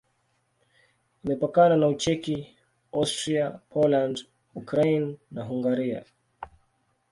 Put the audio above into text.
Imepakana na Ucheki, Austria, Poland, Ukraine na Hungaria.